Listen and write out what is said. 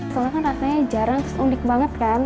soalnya kan rasanya jarang terus unik banget kan